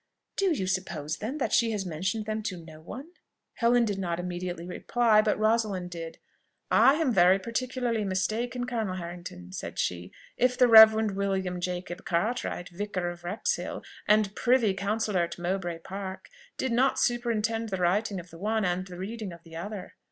"Do you suppose, then, that she has mentioned them to no one?" Helen did not immediately reply, but Rosalind did. "I am very particularly mistaken, Colonel Harrington," said she, "if the Reverend William Jacob Cartwright, vicar of Wrexhill, and privy counsellor at Mowbray Park, did not superintend the writing of the one, and the reading of the other."